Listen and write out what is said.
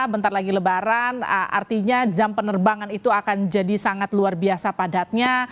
bentar lagi lebaran artinya jam penerbangan itu akan jadi sangat luar biasa padatnya